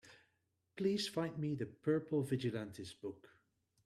Please find me The Purple Vigilantes book.